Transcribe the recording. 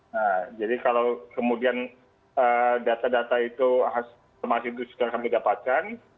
nah jadi kalau kemudian data data itu informasi itu sudah kami dapatkan